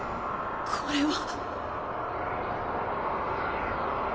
これは？